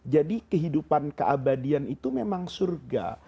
jadi kehidupan keabadian itu memang surga